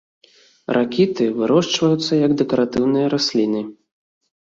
Ракіты вырошчваюцца як дэкаратыўныя расліны.